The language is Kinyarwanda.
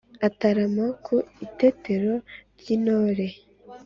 Atarama ku Itetero ry'intore